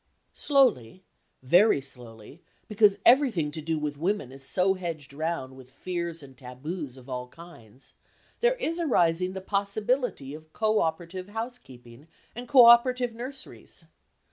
Slowly, very slowly, because everything to do with women is so hedged round with fears and tabus of all kinds, there is arising the possibility of co operative housekeeping and co operative nurseries.